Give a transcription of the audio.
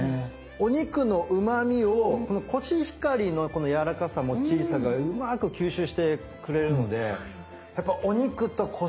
お肉のうまみをこのコシヒカリのこのやわらかさもっちりさがうまく吸収してくれるのでやっぱお肉とコシヒカリって合いますね！